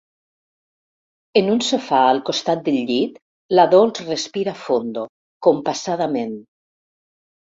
En un sofà, al costat del llit, la Dols respira fondo, compassadament.